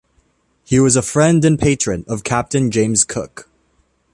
He was a friend and patron of Captain James Cook.